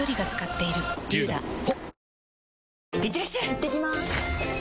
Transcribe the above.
いってきます！